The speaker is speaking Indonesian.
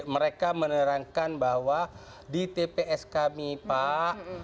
mereka menerangkan bahwa di tps kami pak